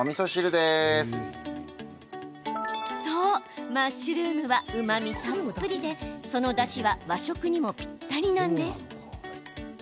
そう、マッシュルームはうまみたっぷりで、そのだしは和食にもぴったりなんです。